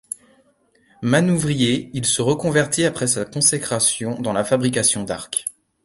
Manouvrier, il se reconvertit, après sa consécration, dans la fabrication d'arcs.